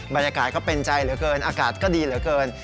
บรรยากาศก็เป็นใจเหลือเกินอากาศก็ดีเหลือเกิน